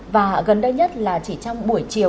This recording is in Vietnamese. và gần đây nhất là chỉ trong buổi chiều